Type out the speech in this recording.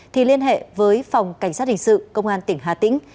thì liên hệ với phòng cảnh sát hình sự công an tỉnh hà tĩnh